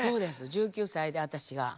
１９歳で私が。